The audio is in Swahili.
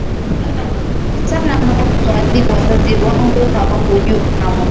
sana Hawakutuadhibu Wazazi wangu hawakujua kamwe